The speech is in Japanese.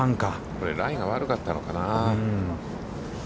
これ、ラインが悪かったのかな。